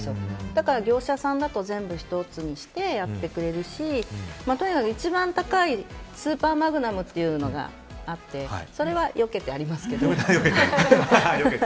だから業者さんだと全部１つにしてやってくれるしとにかく一番高いスーパーマグナムというのがよけてありますけど。